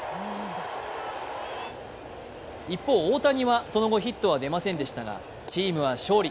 一方、大谷はその後ヒットは出ませんでしたが、チームは勝利。